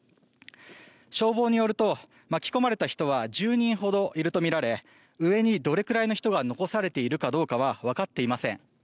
消防によると巻き込まれた人は１０人ほどいるとみられ上にどれぐらいの人が残されているかはわかっていません。